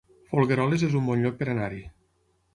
Folgueroles es un bon lloc per anar-hi